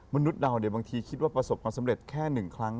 มนุษย์เราบางทีคิดว่าประสบความสำเร็จแค่หนึ่งครั้ง